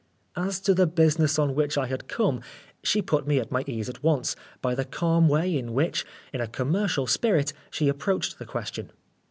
As to the business on which I had come, she put me at my ease at once by the calm way in which, in a commercial spirit, she approached the question.